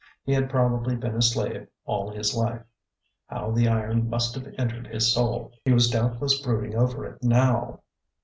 He had probably been a slave all his life. How the iron must have entered his soul ! He was doubtless brooding over it now.